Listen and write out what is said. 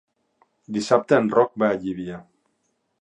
Dissabte en Roc va a Llívia.